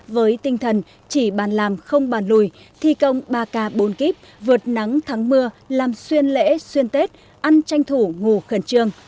với tinh thần chỉ bàn làm không bàn lùi thi công ba k bốn k vượt nắng thắng mưa làm xuyên lễ xuyên tết ăn tranh thủ ngủ khẩn trương